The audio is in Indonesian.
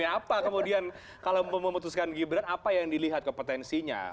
apa kemudian kalau memutuskan gibran apa yang dilihat kompetensinya